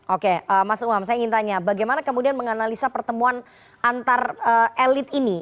oke mas umam saya ingin tanya bagaimana kemudian menganalisa pertemuan antar elit ini